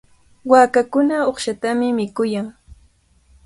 Waakakuna uqshatami mikuyan.